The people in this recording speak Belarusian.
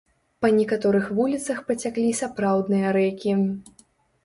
Па некаторых вуліцах пацяклі сапраўдныя рэкі.